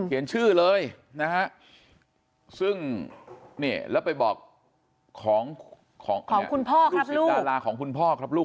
เขียนชื่อเลยซึ่งแล้วไปบอกลูกศิษย์ดาราของคุณพ่อครับลูก